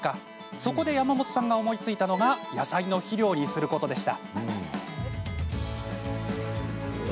そこで山本さんが思いついたのが野菜の肥料にすることでした。